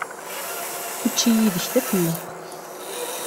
Učči yid-k d afelleq.